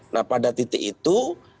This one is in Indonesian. nah pada titik itu